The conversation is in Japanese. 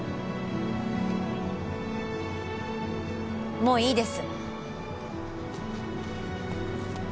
もういいです。